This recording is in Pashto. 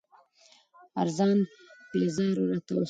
ارزان پېزار راته وښايه